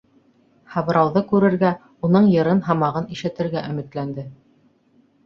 Һабрауҙы күрергә, уның йырын-һамағын ишетергә өмөтләнде.